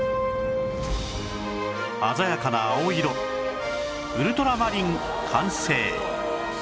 鮮やかな青色ウルトラマリン完成